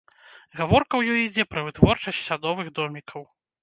Гаворка ў ёй ідзе пра вытворчасць садовых домікаў.